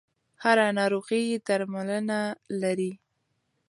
هره ناروغي درملنه لري.